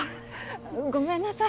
ごめんなさい。